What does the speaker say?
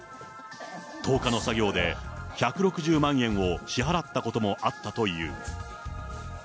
１０日の作業で１６０万円を支払ったこともあったという。